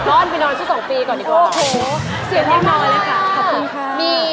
ขอบพี่ค่ะ